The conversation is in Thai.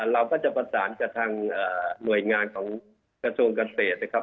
เราก็จะประสานกับทางหน่วยงานของกระทรวงเกษตรนะครับ